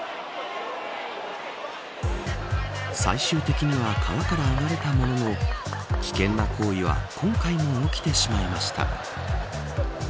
最終的には川から上がれたものの危険な行為は今回も起きてしまいました。